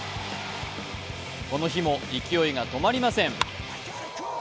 この日も勢いが止まりません！